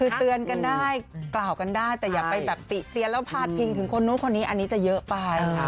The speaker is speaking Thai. คือเตือนกันได้กล่าวกันได้แต่อย่าไปแบบติเตียนแล้วพาดพิงถึงคนนู้นคนนี้อันนี้จะเยอะไป